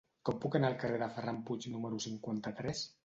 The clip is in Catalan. Com puc anar al carrer de Ferran Puig número cinquanta-tres?